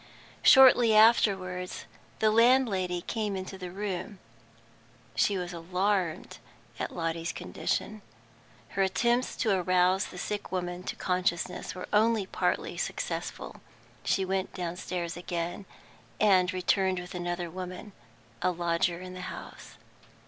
Shortly afterwards, the landlady came into the room. She was alarmed at Lotty's condition. Her attempts to arouse the sick woman to consciousness were only partly successful. She went downstairs again, and returned with another woman, a lodger in the house.